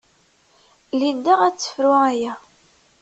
Linda ad tefru aya.